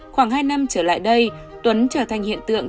khoảng hai năm trở lại đây tuấn trở thành hiện tượng